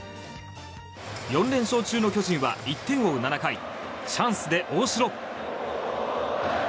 ４連勝中の巨人は１点を追う７回チャンスで大城。